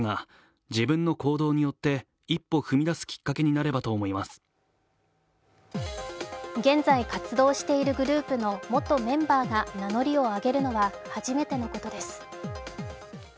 当事者の会の公式サイトで飯田さんは現在、活動しているグループの元メンバーが名乗りを上げるのは初めてのことです。